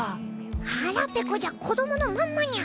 ハラペコじゃ子どものまんまニャ。